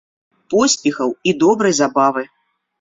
Поспехаў і добрай забавы!